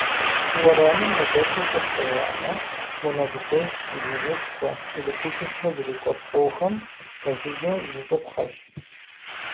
Уэрамым удэту щӏыр хъеямэ, унэ зэтет, жыгышхуэ, электричествэ зрикӏуэ пкъохэм пэжыжьэ зыщӏыпхъэщ.